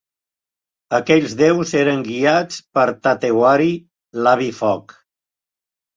Aquells déus eren guiats per Tatewari, l'Avi Foc.